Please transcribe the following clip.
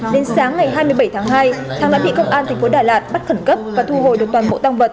đến sáng ngày hai mươi bảy tháng hai thắng đã bị công an tp đà lạt bắt khẩn cấp và thu hồi được toàn bộ tăng vật